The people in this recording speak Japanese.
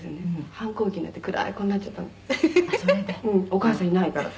「お母さんいないから」